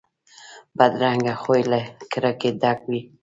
بدرنګه خوی له کرکې ډک وي